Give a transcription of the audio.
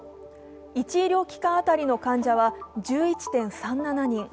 １医療機関当たりの患者は１１．３７人。